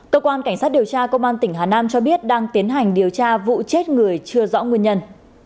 cơ quan cảnh sát điều tra công an tỉnh hà nam cho biết đang tiến hành điều tra vụ chết người chưa rõ nguyên nhân